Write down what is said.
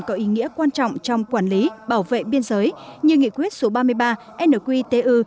có ý nghĩa quan trọng trong quản lý bảo vệ biên giới như nghị quyết số ba mươi ba nqtu